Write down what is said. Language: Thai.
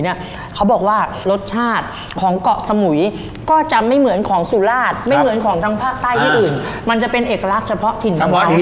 เขาบอกว่ารสชาติของเกาะสมุยก็จะไม่เหมือนของสุราชไม่เหมือนของทางภาคใต้ที่อื่นมันจะเป็นเอกลักษณ์เฉพาะถิ่นของเรา